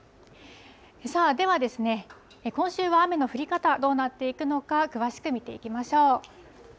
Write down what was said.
さあでは、今週は雨の降り方、どうなっていくのか、詳しく見ていきましょう。